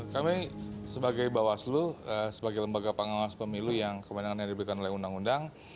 kami sebagai bawaslu sebagai lembaga pengawas pemilu yang kemenangan yang diberikan oleh undang undang